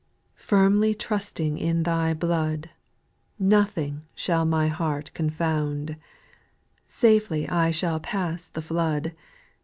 4. Firmly trusting in Thy blood, Nothing shall my heart confound ; Safely I shall pass the flood.